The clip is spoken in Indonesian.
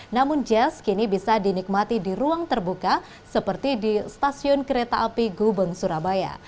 namun jazz kini bisa dinikmati di ruang terbuka seperti di stasiun kereta api gubeng surabaya